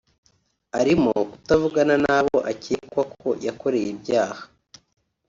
arimo kutavugana n’abo akekwa ko yakoreye ibyaha